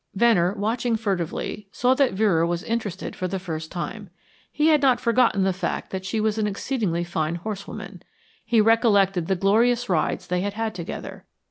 Venner watching furtively saw that Vera was interested for the first time. He had not forgotten the fact that she was an exceedingly fine horsewoman; he recollected the glorious rides they had had together.